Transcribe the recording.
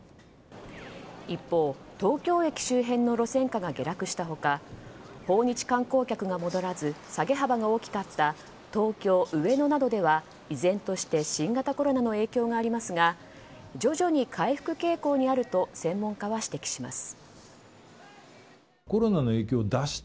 一方、東京駅周辺の路線価が下落した他訪日観光客が戻らず下げ幅が大きかった東京・上野などでは依然として新型コロナの影響がありますが徐々に回復傾向にあると専門家は指摘します。